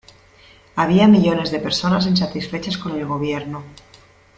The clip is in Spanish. Había millones de personas insatisfechas con el gobierno.